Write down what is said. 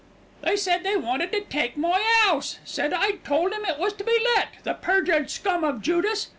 "They said they wanted to take my 'ouse. Said I'd told them it was to let, the perjured scum of Judas.